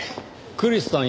クリスさん